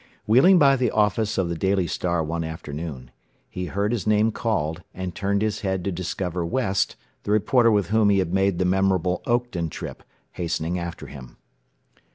Wheeling by the office of the "Daily Star" one afternoon, he heard his name called, and turned his head to discover West, the reporter with whom he had made the memorable Oakton trip, hastening after him.